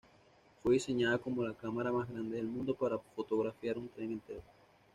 Fue diseñada como la cámara más grande del mundo para fotografiar un tren entero.